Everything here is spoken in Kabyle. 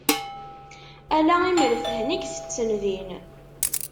Ala imreffhen i itetten din.